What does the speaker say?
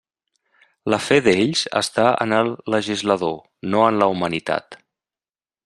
La fe d'ells està en el legislador, no en la humanitat.